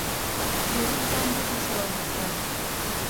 Beti izan dut oso argi, bai.